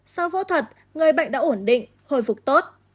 sau phẫu thuật người bệnh đã ổn định hồi phục tốt